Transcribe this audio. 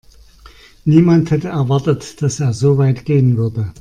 Niemand hätte erwartet, dass er so weit gehen würde.